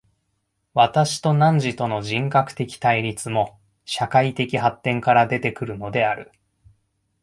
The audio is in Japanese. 私と汝との人格的対立も、社会的発展から出て来るのである。